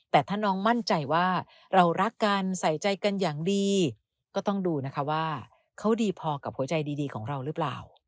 แต่ถ้าน้องมั่นใจว่าเรารักกันใส่ใจกันอย่างดีก็ต้องดูนะคะว่าเขาดีพอกับหัวใจดีของเราหรือเปล่า